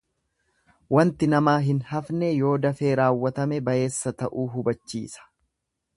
Wanti namaa hin hafne yoo dafee raawwatame bayeessa ta'uu hubachiisa.